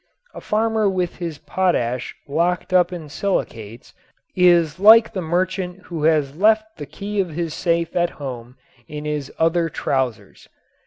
A farmer with his potash locked up in silicates is like the merchant who has left the key of his safe at home in his other trousers.